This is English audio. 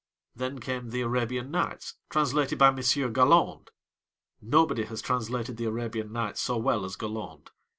Then came The Arabian Nights, translated by Monsieur Galland. Nobody has translated The Arabian Nights so well as Galland.